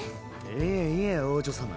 いえいえ王女様。